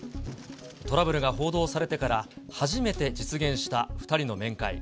トラブルが報道されてから初めて実現した２人の面会。